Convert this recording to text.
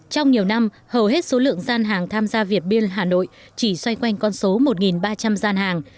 trong nhiều năm hầu hết số lượng gian hàng tham gia việt biên hà nội chỉ xoay quanh con số một ba trăm linh gian hàng